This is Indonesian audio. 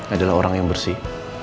adalah orang yang bersih